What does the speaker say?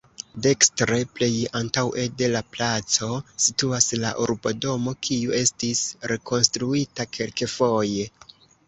Dekstre plej antaŭe de la placo situas la Urbodomo, kiu estis rekonstruita kelkfoje.